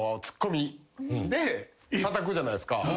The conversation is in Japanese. たたくじゃないっすか。